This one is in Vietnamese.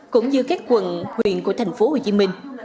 cũng như các quận huyện của tp hcm